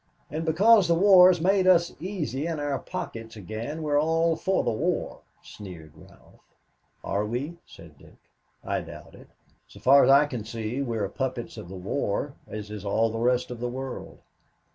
"And because the war has made us easy in our pockets again, we are all for the war," sneered Ralph. "Are we?" said Dick. "I doubt it. So far as I can see, we are puppets of the war as is all the rest of the world."